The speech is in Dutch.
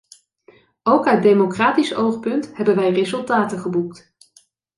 Ook uit democratisch oogpunt hebben wij resultaten geboekt.